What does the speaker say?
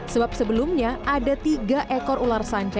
sebab sebelumnya ada tiga ekor ular sanca